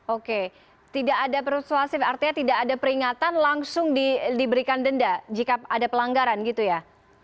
oke tidak ada persuasif artinya tidak ada peringatan langsung diberikan denda jika ada pelanggaran gitu ya